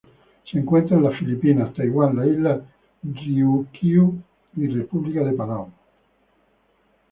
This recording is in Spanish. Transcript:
Se encuentra en las Filipinas, Taiwán, las Islas Ryukyu y República de Palau.